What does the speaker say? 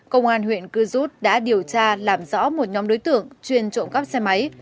công an huyện cư rút đã điều tra làm rõ một nhóm đối tượng chuyên trộm cắp xe máy